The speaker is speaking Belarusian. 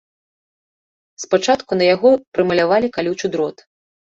Спачатку на яго прымалявалі калючы дрот.